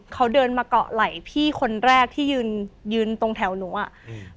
เขาเดินมาเกาะไหล่พี่คนแรกที่ยืนยืนตรงแถวหนูอ่ะอืม